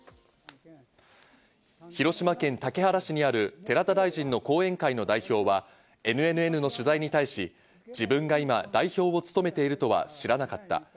広島県竹原市にある寺田大臣の後援会の代表はＮＮＮの取材に対し、自分が今、代表を務めているとは知らなかった。